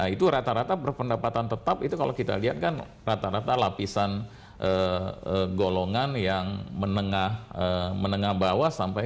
itu rata rata berpendapatan tetap itu kalau kita lihat kan rata rata lapisan golongan yang menengah bawah sampai